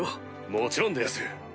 もちろんでやす。